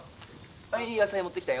はい野菜持ってきたよ。